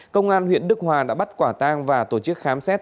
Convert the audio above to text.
công an huyện đức hòa đã bắt quả tang và tổ chức khám xét